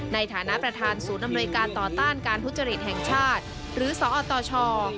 ในฐานะประธานศูนย์อำนวยการต่อต้านการทุจริตแห่งชาติหรือสอตช